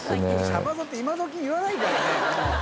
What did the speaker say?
シャバ僧って今どき言わないからねもう。